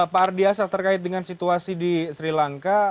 pak ardi asas terkait dengan situasi di sri lanka